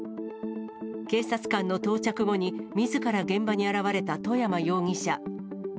警察官の到着後にみずから現場に現れた外山容疑者。